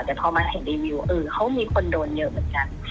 แต่พอมาเห็นรีวิวเออเขามีคนโดนเยอะเหมือนกัน